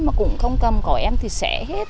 mà cũng không cầm có em thì sẽ hết